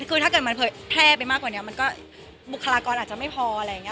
คือถ้าเกิดมันเผยแพร่ไปมากกว่านี้มันก็บุคลากรอาจจะไม่พออะไรอย่างนี้